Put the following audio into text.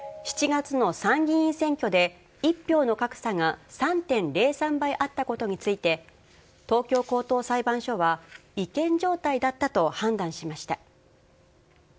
７月の参議院選挙で、１票の格差が３．０３倍あったことについて、東京高等裁判所は違憲状態だったと判断しました。